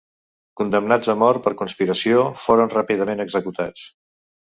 Condemnats a mort per conspiració, foren ràpidament executats.